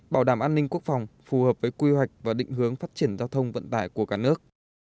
bảo đảm an ninh quốc phòng phù hợp với quy hoạch và định hướng phát triển giao thông vận tải của cả nước